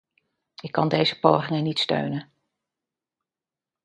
Ik kan deze pogingen niet steunen.